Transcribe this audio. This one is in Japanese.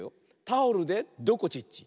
タオルでどこちっち。